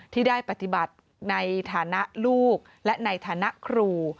ที่ได้ปฏิบัติในฐานะลูกและในฐานะครู